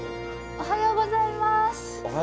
おはようございます。